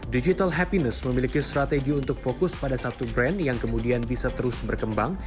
digital happiness memiliki strategi untuk fokus pada satu brand yang kemudian bisa terus berkembang